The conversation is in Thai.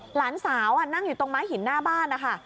หลานสาวนั่งอยู่ตรงไม้หินหน้าบ้านนะคะ